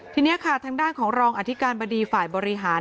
ทีนี้ค่ะทางด้านของรองอธิการบดีฝ่ายบริหาร